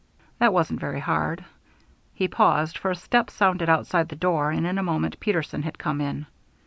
"That wasn't very hard." He paused, for a step sounded outside the door and in a moment Peterson had come in.